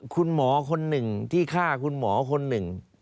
คุณหมอคนหนึ่งที่ฆ่าคุณหมอคนหนึ่ง